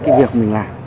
cái việc mình làm